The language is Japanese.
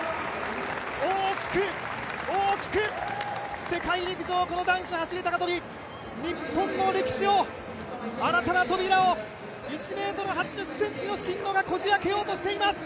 大きく、大きく、世界室内男子走高跳日本の歴史を新たな扉を１ｍ８０ｃｍの真野がこじあけようとしています。